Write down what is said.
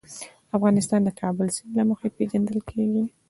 افغانستان د د کابل سیند له مخې پېژندل کېږي.